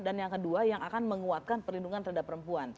dan yang kedua yang akan menguatkan perlindungan terhadap perempuan